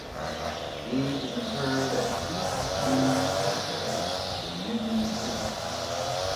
He is interred at East View Cemetery in Union City.